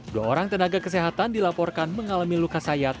dua orang tenaga kesehatan dilaporkan mengalami luka sayat